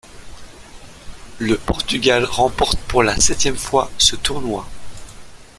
Le Portugal remporte pour la septième fois ce tournoi.